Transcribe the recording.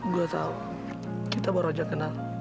gue tahu kita baru aja kenal